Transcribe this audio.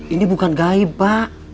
ini bukan gaib pak